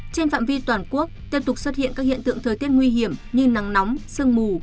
trên phạm vi toàn quốc tiếp tục xuất hiện các hiện tượng thời tiết nguy hiểm như nắng nóng sương mù